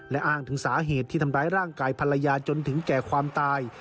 และอ้างถึงสาเหตุที่ทำร้ายร่างกายภรรยาจนถึงแก่ความตาย